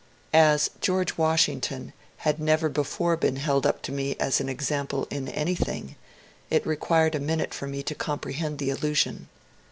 As George Washington had never before been held up to me as an example in anything, it required a minute for me to comprcfhend the allusion.